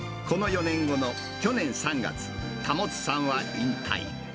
この４年後の去年３月、保さんは引退。